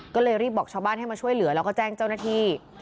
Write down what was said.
ก็เลยรีบบอกชาวบ้านให้มาช่วยเหลือแล้วก็แจ้งเจ้าหน้าที่